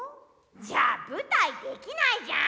じゃあ舞台できないじゃん。